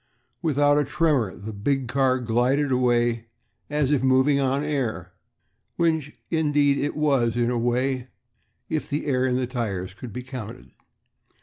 Without a tremor the big car glided away as if moving on air, which indeed it was, in a way, if the air in the tires could be counted.